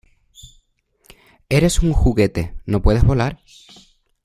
¡ Eres un juguete! ¡ no puedes volar !